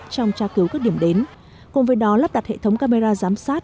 trong tra cứu các điểm đến cùng với đó lắp đặt hệ thống camera giám sát